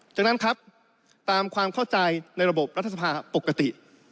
จากนั้นครับตามความเข้าใจในระบบรัฐสภาปกติ